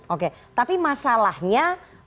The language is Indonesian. oke tapi masalahnya